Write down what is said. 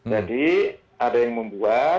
jadi ada yang membuat